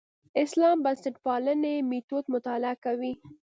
اسلام بنسټپالنې میتود مطالعه کوي.